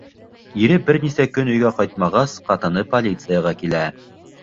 Ире бер нисә көн өйгә ҡайтмағас, ҡатыны полицияға килә.